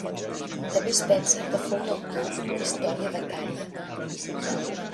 També es pensa que fou l'autor d'una història de Cària.